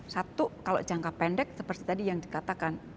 satu kalau jangka pendek seperti tadi yang dikatakan